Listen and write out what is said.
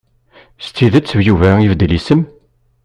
S tidet Yuba ibeddel isem?